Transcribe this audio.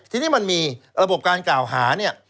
ทีนี้มันมีระบบการกล่าวหาเนี่ย